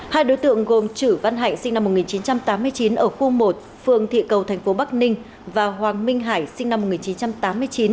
hai đối tượng gồm trử văn hải sinh năm một nghìn chín trăm tám mươi chín ở khu một phường thị cầu tp bắc ninh và hoàng minh hải sinh năm một nghìn chín trăm tám mươi chín